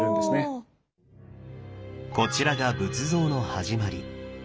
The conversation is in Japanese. こちらが仏像の始まり。